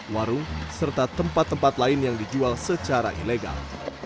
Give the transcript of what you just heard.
warung serta tempat tempat lain yang dijual secara ilegal